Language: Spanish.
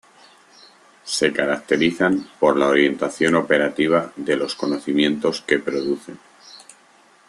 Se caracterizan por la orientación operativa de los conocimientos que producen.